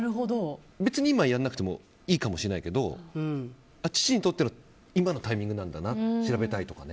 別に今やらなくてもいいかもしれないけど父にとっての今のタイミングなんだなと。